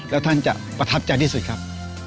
แล้วท่านจะประทับใจที่สุดครับ